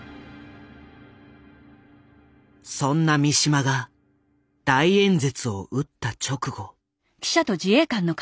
そんな三島が大演説を打った直後。